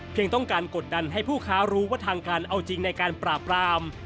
ต้องการกดดันให้ผู้ค้ารู้ว่าทางการเอาจริงในการปราบราม